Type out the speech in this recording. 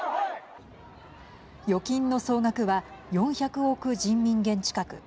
預金の総額は４００億人民元近く。